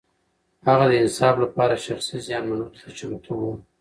هغه د انصاف لپاره شخصي زيان منلو ته چمتو و.